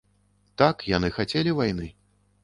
Так, яны хацелі вайны.